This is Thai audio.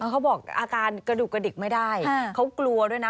เขาบอกอาการกระดูกกระดิกไม่ได้เขากลัวด้วยนะ